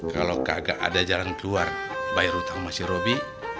kalau kagak ada jalan keluar bayar hutang mas robi